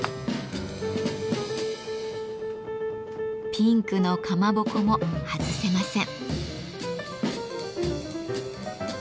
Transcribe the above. ピンクのかまぼこも外せません。